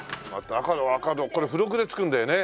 『赤胴』これ付録で付くんだよね。